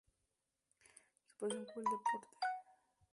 Su pasión por el deporte ha causado la ansiedad de su agencia.